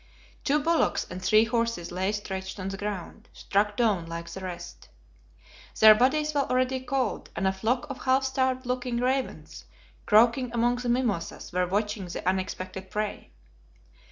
Two bullocks and three horses lay stretched on the ground, struck down like the rest. Their bodies were already cold, and a flock of half starved looking ravens croaking among the mimosas were watching the unexpected prey.